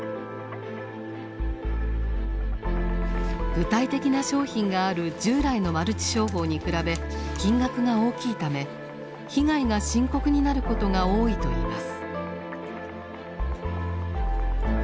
具体的な商品がある従来のマルチ商法に比べ金額が大きいため被害が深刻になることが多いといいます。